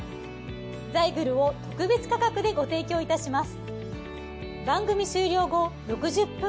ザイグルを特別価格でご提供いたします。